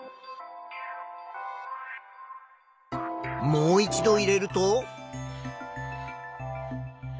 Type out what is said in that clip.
もう一度入れると。